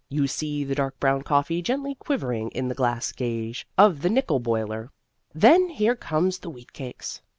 You see the dark brown coffee gently quivering in the glass gauge of the nickel boiler. Then here come the wheatcakes.